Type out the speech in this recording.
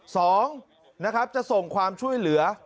สองนะครับจะส่งความช่วยเหลือ